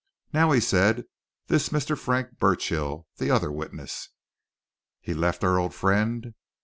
"Now," he said, "this Mr. Frank Burchill the other witness? He left our old friend?"